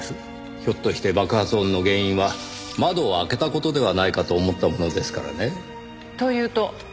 ひょっとして爆発音の原因は窓を開けた事ではないかと思ったものですからね。というと？